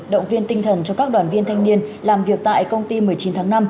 động viên tinh thần cho các đoàn viên thanh niên làm việc tại công ty một mươi chín tháng năm